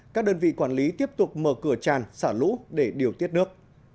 các đơn vị quản lý tiếp tục mở cửa tràn xả lũ để điều tiết nước